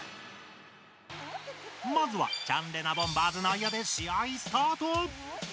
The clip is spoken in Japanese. まずはチャンレナボンバーズ内野で試合スタート！